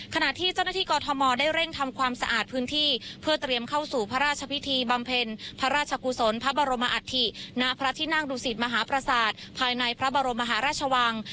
ขณะที่เจ้าหน้าที่กอทมได้เร่งทำความสะอาดพื้นที่เพื่อเตรียมเข้าสู่พระราชพิธีบำเพ็ญพระราชกุศลพระบรมอัฐิณพระที่นั่งดูสิตมหาประสาทภายในพระบรมมหาราชวัง